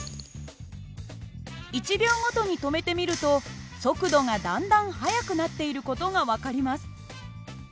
１秒ごとに止めてみると速度がだんだん速くなっている事が分かります。